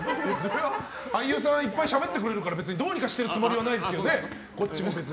俳優さんがいっぱいしゃべってくれるからどうにかしてくれるわけじゃないですけどね。